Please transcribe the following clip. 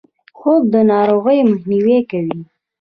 خوب د ناروغیو مخنیوی کوي